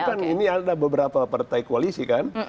karena ini ada beberapa partai koalisi kan